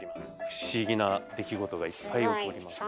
不思議な出来事がいっぱい起こります。